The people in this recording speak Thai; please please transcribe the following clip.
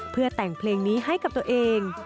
เพื่อแต่งเพลงนี้ให้กับตัวเอง